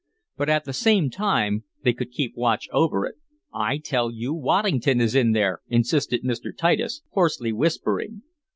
But, at the same time, they could keep watch over it. "I tell you Waddington is in there!" insisted Mr. Titus, hoarsely whispering.